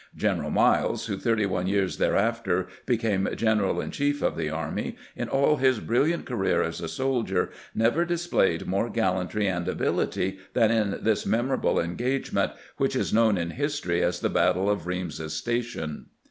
General Miles, who thirty one years thereafter became general in chief of the army, in all his brilliant career as a soldier never displayed more gallantry and ability than in this memorable engage ment, which is known in history as the battle of Eeams's Station.